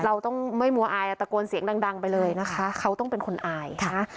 เราต้องไม่มัวอายตะโกนเสียงดังไปเลยนะคะเขาต้องเป็นคนอายนะ